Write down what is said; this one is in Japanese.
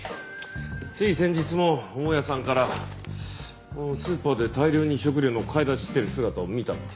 つい先日も大家さんからスーパーで大量に食料の買い出ししてる姿を見たって。